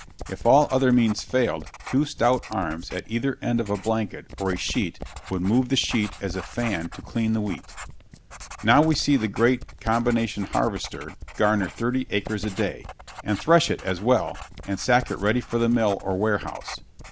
If all other means failed, two stout arms at either end of a blanket or a sheet would move the sheet as a fan to clean the wheat. Now we see the great combination harvester garner thirty acres a day, and thresh it as well and sack it ready for the mill or warehouse.